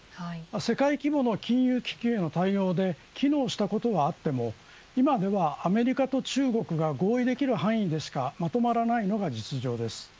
世界規模の金融危機への対応で機能したことはあっても今ではアメリカと中国が合意できる範囲でしかまとまらないのが実情です。